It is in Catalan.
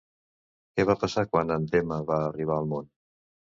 Què va passar quan en Temme va arribar al món?